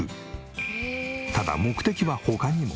ただ目的は他にも。